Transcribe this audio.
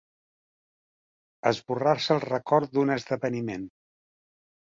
Esborrar-se el record d'un esdeveniment.